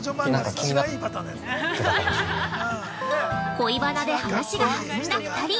◆恋バナで、話が弾んだ２人。